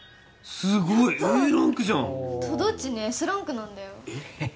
すごいＡランクじゃんやったとどっちねＳランクなんだよヘヘヘ